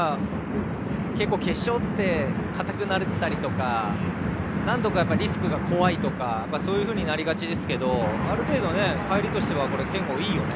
結構、決勝って硬くなったりリスクが怖いとかそういうふうになりがちですがある程度、入りとしては憲剛、いいよね？